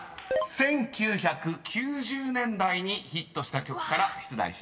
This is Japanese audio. ［１９９０年代にヒットした曲から出題します］